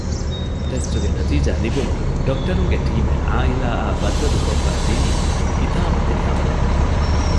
ޓެސްޓުގެ ނަތީޖާ ލިބުމުން ޑޮކްޓަރުންގެ ޓީމެއް ޢާއިލާއާ ބައްދަލުކޮށްފައިދިނީ ހިތާމަމަވެރި ހަބަރެއް